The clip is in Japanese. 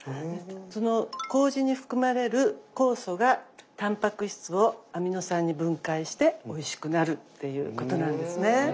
その麹に含まれる酵素がタンパク質をアミノ酸に分解しておいしくなるっていうことなんですね。